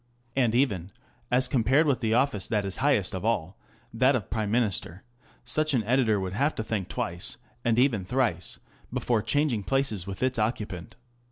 And even, as compared with the office that is highest of all, that of the Prime Minister, such an editor would have to think twice, and even thrice, before changing places with its occupant.